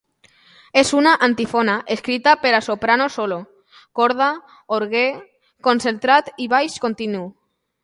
És una antífona escrita per a soprano solo, corda, orgue concertant i baix continu.